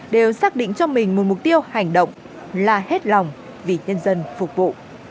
đều xác định cho mình một mục tiêu hành động là hết lòng vì nhân dân phục vụ